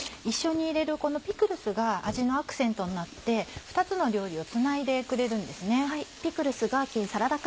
一緒に入れるこのピクルスが味のアクセントになって２つの料理をつないでくれるんですね。